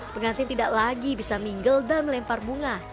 pengantin tidak lagi bisa minggel dan melempar bunga